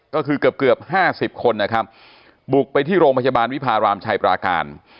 ก็คือเกือบ๕๐คนบุกไปที่โรงพยาบาลวิพารามชัยปราการ